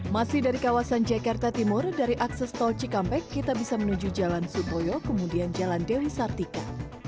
masih dari kawasan jakarta timur dari akses tol cikampek kita bisa menuju jalan sutoyo kemudian jalan dewi sartika